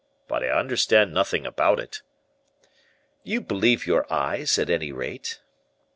But I understand nothing about it." "You believe your eyes, at any rate."